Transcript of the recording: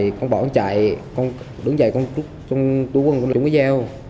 thì con bỏ anh chạy con đứng dạy con trúng cái gieo